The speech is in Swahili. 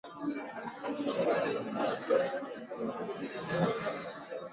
Kuna mitambo ya kuchunguza viini vya magonjwa na matokeo ya papo hapo